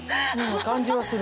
感じはする。